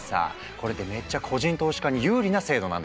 これってめっちゃ個人投資家に有利な制度なんだ。